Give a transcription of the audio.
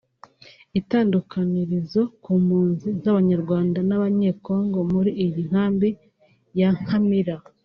Itandukanirizo ku mpunzi z’Abanyarwanda n’Abanyekongo muri iyi nkambi ya Nkamira